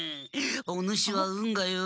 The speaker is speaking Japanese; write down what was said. お主は運がよい。